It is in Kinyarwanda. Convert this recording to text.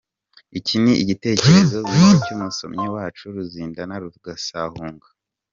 Iki ni igitekerezo bwite cy’umusomyi wacu Ruzindana Rugasaguhunga